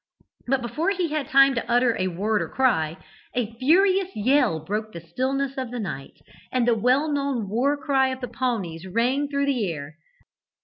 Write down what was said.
But before he had time to utter a word or cry, a furious yell broke the stillness of the night, and the well known war cry of the Pawnees rang through the air.